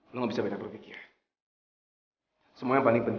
neng mau belajar mandi